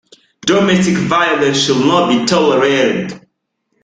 Domestic violence should not be tolerated.